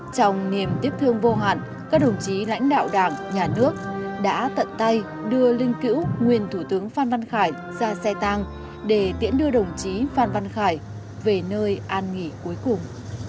trong niềm tiếc thương vô hạn các đồng chí lãnh đạo đảng nhà nước đã tận tay đưa linh cữu nguyên thủ tướng phan văn khải ra xe tang để tiễn đưa đồng chí phan văn khải về nơi an nghỉ cuối cùng